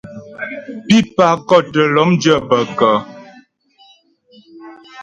Pípà kɔ̂t tə́ lɔ́mdyə́ bə kə́ ?